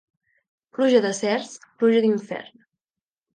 Pluja de cerç, pluja d'infern.